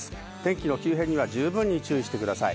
天気の急変には十分に注意してください。